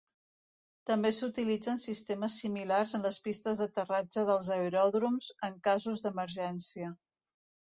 També s'utilitzen sistemes similars en les pistes d'aterratge dels aeròdroms, en casos d'emergència.